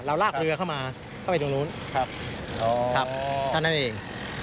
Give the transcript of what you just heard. เราลากเรือเข้ามาเข้าไปตรงนู้นครับอ๋อครับอันนั้นเอง